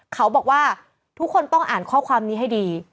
เขาบอกว่าทุกคนต้องอ่านข้อความนี้ให้ดี